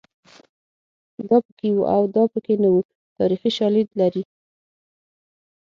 دا پکې وو او دا پکې نه وو تاریخي شالید لري